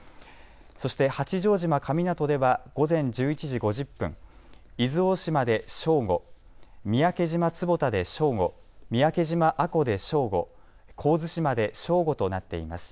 そして八丈島神湊では午前１１時５０分、伊豆大島で正午、三宅島坪田で正午、三宅島阿古で正午、神津島で正午となっています。